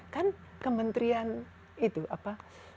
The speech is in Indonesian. jadi kementerian itu apa